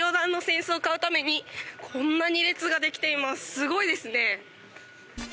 すごいですね。